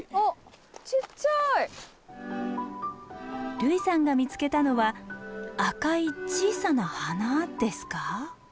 類さんが見つけたのは赤い小さな花ですか？